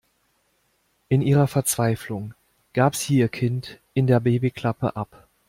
In ihrer Verzweiflung gab sie ihr Kind in der Babyklappe ab.